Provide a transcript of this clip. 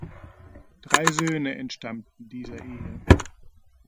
Drei Söhne entstammten dieser Ehe.